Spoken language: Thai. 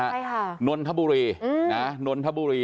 ไปค่ะนนทบุรีนั้นนทบุรี